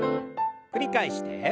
繰り返して。